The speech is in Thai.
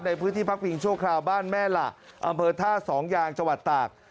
ในพื้นที่พักปิงชั่วคราวบ้านแม่ละอำเภอท่า๒ยางจตาก